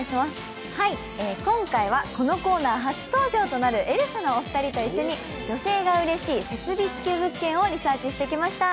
今回はこのコーナー初登場となるエルフのお二人と一緒に女性がうれしい設備付き物件をリサーチしてきました。